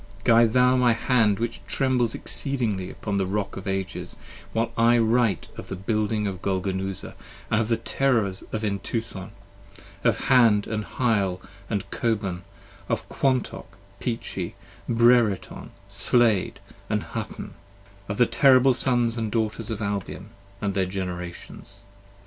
Guide thou my hand which trembles exceedingly upon the rock of ages, While I write of the building of Golgonooza, and of the terrors of Entuthon: 25 Of Hand & Hyle & Coban, of Kwantok, Peachey, Brereton, Slayd & Hutton: Of the terrible sons & daughters of Albion, and their Generations.